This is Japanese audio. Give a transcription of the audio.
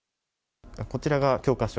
こちらが教科書